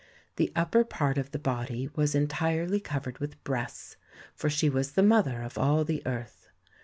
The upper part of the body was entirely covered with breasts, for she was the mother of all the earth.